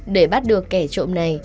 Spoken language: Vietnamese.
để bắt được kẻ trộm này